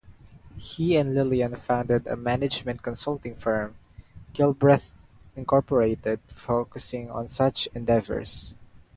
He and Lillian founded a management consulting firm, Gilbreth, Incorporated focusing on such endeavors.